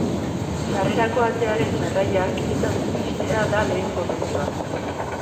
Sarrerako atearen sarraila giltzaz ixtea da lehen gomendioa.